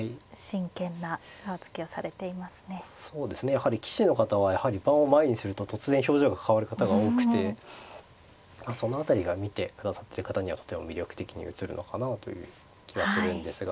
やはり棋士の方はやはり盤を前にすると突然表情が変わる方が多くてその辺りが見てくださってる方にはとても魅力的に映るのかなという気はするんですが。